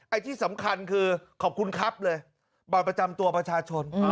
ที่สำคัญคือขอบคุณครับเลยบัตรประจำตัวประชาชน